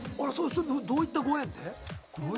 どういったご縁で？